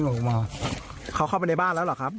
มันก็บิ๊งออกมาเข้าไปในบ้านแล้วหรอครับ